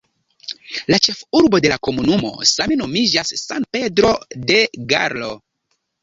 La ĉefurbo de la komunumo same nomiĝas "San Pedro del Gallo".